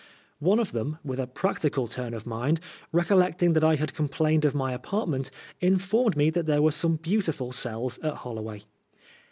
'* One of them, with a practical turn of mind, recol lecting that I had complained of my appartment, in formed me that there were some beautiful cells at Holloway.